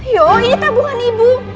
yo ini tabungan ibu